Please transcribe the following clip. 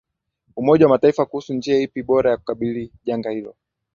Umoja wa Mataifa kuhusu ni njia ipi bora ya kulikabili janga hilo